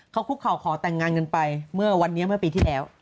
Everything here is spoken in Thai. เขาคุกเข่าขอแต่งงานกันไปเมื่อวันนี้เมื่อปีที่แล้ว